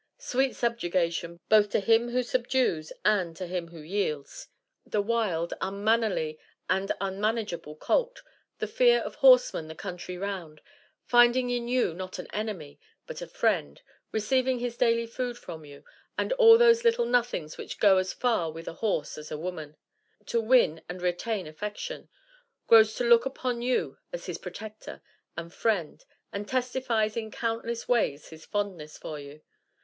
Sweet subjugation, both to him who subdues and to him who yields! The wild, unmannerly, and unmanageable colt, the fear of horsemen the country round, finding in you not an enemy, but a friend, receiving his daily food from you, and all those little 'nothings' which go as far with a horse as a woman, to win and retain affection, grows to look upon you as his protector and friend, and testifies in countless ways his fondness for you.